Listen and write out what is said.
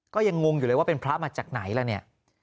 ก็ยังงงอยู่เลยว่าเป็นพระมาจากไหนล่ะเนี่ย